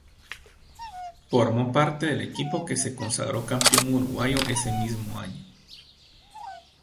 Formó parte del equipo que se consagró campeón uruguayo ese mismo año.